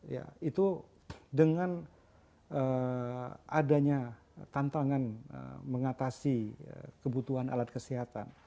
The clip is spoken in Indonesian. ya itu dengan adanya tantangan mengatasi kebutuhan alat kesehatan